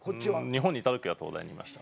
日本にいたときは東大にいました。